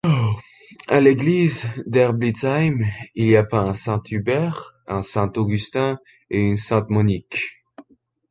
À l'église d'Herbitzheim, il a peint un Saint-Hubert, un Saint-Augustin et une Sainte-Monique.